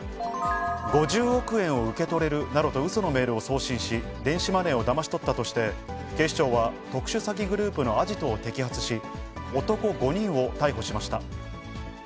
５０億円を受け取れるなどとうそのメールを送信し、電子マネーをだまし取ったとして、警視庁は特殊詐欺グループのアジトを摘発し、男５人を逮捕しました。